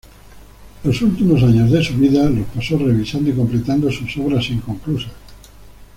Los últimos años de su vida los pasó revisando y completando sus obras inconclusas.